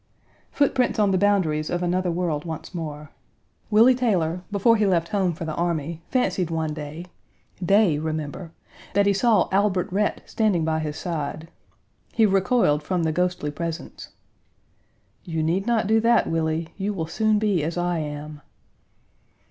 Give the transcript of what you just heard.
Footprints on the boundaries of another world once more. Willie Taylor, before he left home for the army, fancied one day day, remember that he saw Albert Rhett standing by his side. He recoiled from the ghostly presence. "You need not do that, Willie. You will soon be as I am."